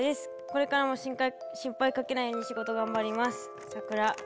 これからも心配かけないように仕事頑張ります咲楽。